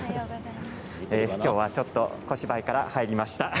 きょうは、ちょっと小芝居から入りました。